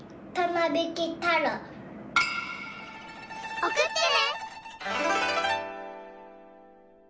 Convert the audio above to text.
おくってね！